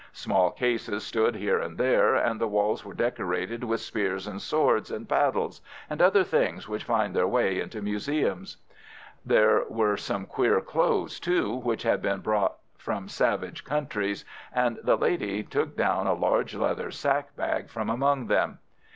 Small cases stood here and there, and the walls were decorated with spears and swords and paddles, and other things which find their way into museums. There were some queer clothes, too, which had been brought from savage countries, and the lady took down a large leather sack bag from among them.